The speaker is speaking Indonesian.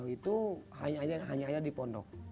itu hanya ada di pondok